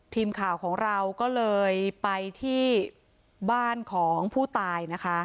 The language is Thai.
ทีมข่าวของเราก็เลยไปที่บ้านของผู้ตายนะคะ